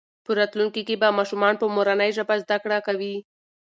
په راتلونکي کې به ماشومان په مورنۍ ژبه زده کړه کوي.